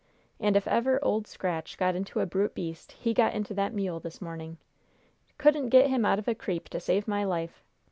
And, if ever Old Scratch got into a brute beast, he got into that mule this morning. Couldn't get him out of a creep to save my life!